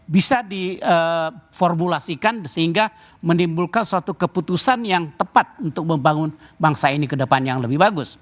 bisa diformulasikan sehingga menimbulkan suatu keputusan yang tepat untuk membangun bangsa ini ke depan yang lebih bagus